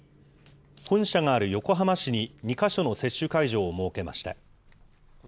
本社がある横浜市に２か所の接種会場を設けました。